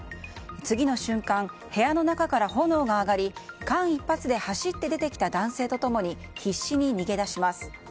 次の瞬間、部屋の中から炎が上がり間一髪で走って出てきた男性と共に、必死で逃げだします。